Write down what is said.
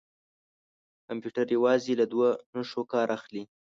کمپیوټر یوازې له دوه نښو کار اخلي.